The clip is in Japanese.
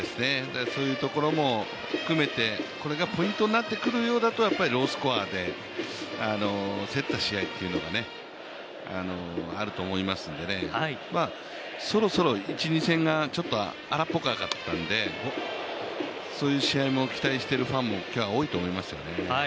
そういうところも含めてこれがポイントになってくるようだとロースコアで競った試合っていうのがあると思いますのでそろそろ１、２戦が荒っぽかったんでそういう試合も期待しているファンも今日は多いと思いますので。